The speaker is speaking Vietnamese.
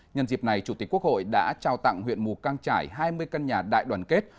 nhân dịp này chủ tịch quốc hội đã trao tặng huyện mù căng trải hai mươi căn nhà đại đoàn kết